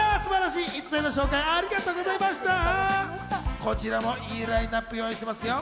こちらもいいラインナップを用意しています。